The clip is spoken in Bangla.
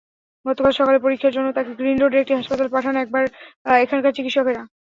গতকাল সকালে পরীক্ষার জন্য তাঁকে গ্রিন রোডের একটি হাসপাতালে পাঠান এখানকার চিকিৎসকেরা।